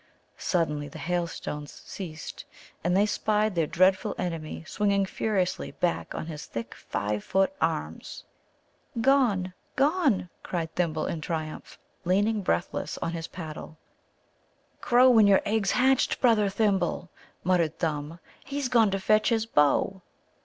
Suddenly the hailstones ceased, and they spied their dreadful enemy swinging furiously back on his thick five foot arms. "Gone, gone!" cried Thimble in triumph, leaning breathless on his paddle. "Crow when your egg's hatched, brother Thimble," muttered Thumb. "He's gone to fetch his bow."